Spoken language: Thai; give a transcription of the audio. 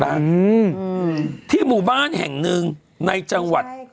กับถูกกุมารทองเข้าสิงหรัฐอืมอืมที่หมู่บ้านแห่งหนึ่งในจังหวัด